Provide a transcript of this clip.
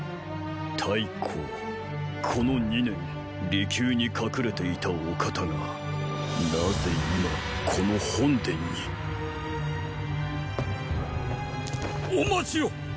太后この二年離宮に隠れていたお方がなぜ今この本殿にお待ちを！